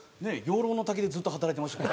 養老乃瀧でずっと働いてました。